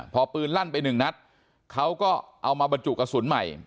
พอปืนลั่นไปหนึ่งนัดเขาก็เอามาบรรจุกระสุนใหม่